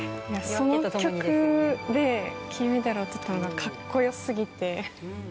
その曲で金メダルはちょっとかっこよすぎて。